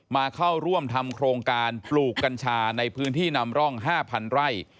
มาเข้าร่วมทำโครงการปลูกกัญชาในพื้นที่นำร่อง๕๐๐๐ไร่